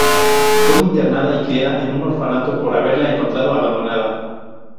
Fue internada y criada en un orfanato por haberla encontrada abandonada.